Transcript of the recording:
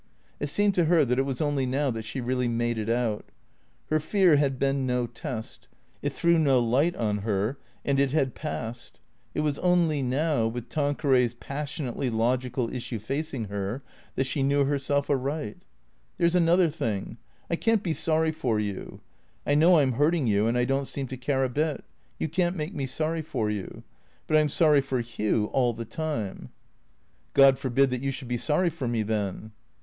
It seemed to her that it was only now that she really made it out. Her fear had been no test, it threw no light on her, and it had passed. It was only now, with Tanqueray's passionately logical issue facing her, that she knew herself aright. " There 's another thing. I can't be sorry for you. I know I 'm hurting you, and I don't seem to care a bit. You can't make me sorry for you. But I 'm sorry for Hugh all the time." "■' God forbid that you should be sorry for me, then."